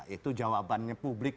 itu jawabannya publik